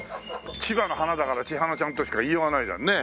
千葉の花だからちはなちゃんとしか言いようがないじゃんねえ。